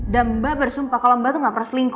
dan mba bersumpah kalau mba tuh nggak pernah selingkuh